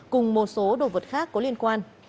cùng một số đồ vật khác có liên quan